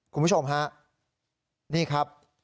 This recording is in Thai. คุณผู้ชมครับนี่ครับ